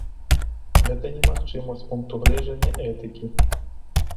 А гэта немагчыма з пункту гледжання этыкі.